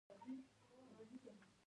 سلیمان غر له تکنالوژۍ سره تړاو لري.